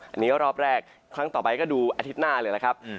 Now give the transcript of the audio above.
อันนี้ก็รอบแรกครั้งต่อไปก็ดูอาทิตย์หน้าเลยนะครับ